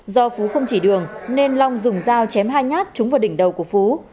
do phú không chỉ đường nên long dùng dao chém hai nhát trúng vào đỉnh đầu của phú